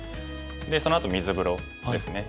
そのあと水風呂ですね。